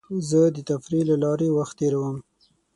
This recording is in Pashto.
زه د تفریح له لارې وخت تېرووم.